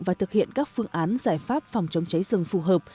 và thực hiện các phương án giải pháp phòng chống cháy rừng phù hợp